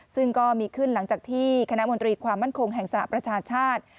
ซึ่งก็มีขึ้นหลังจากที่คณะมนตรีความมั่นคงแห่งสหประชาชาติ